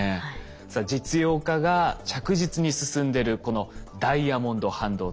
さあ実用化が着実に進んでるこのダイヤモンド半導体。